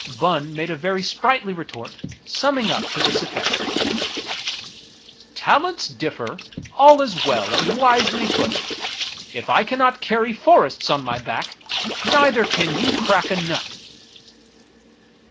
Bun made a very sprightly retort, sum ming up to this effect :—" Talents differ ; all is well and wisely put ; If I cannot carry forests on my back, Neither can you crack a nut."